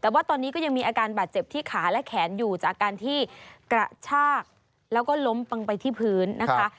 แต่ว่าตอนนี้ก็ยังมีอาการบาดเจ็บที่ขาและแขนอยู่จากการที่กระชากแล้วก็ล้มปังไปที่พื้นนะคะ